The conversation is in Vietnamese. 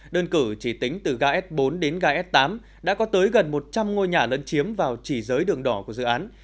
đơn cử chỉ tính từ ga s bốn đến ga s tám đã có tới gần một trăm linh ngôi nhà lân chiếm vào chỉ giới đường đỏ của dự án